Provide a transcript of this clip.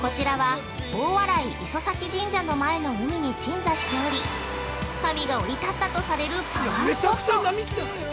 こちらは、大洗磯前神社の前の海に鎮座しており神が降り立ったとされるパワースポット！